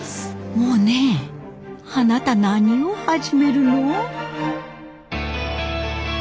モネあなた何を始めるの？